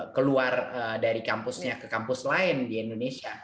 keluar dari kampusnya ke kampus lain di indonesia